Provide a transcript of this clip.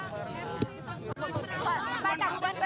pak tanggungan perang pak